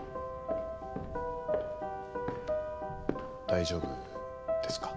大丈夫ですか？